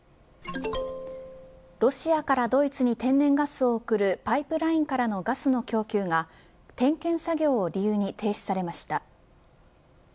ロシアからドイツに天然ガスを送るパイプラインからのガスの供給が点検作業を理由に停止されました。